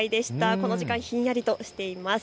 この時間、ひんやりとしています。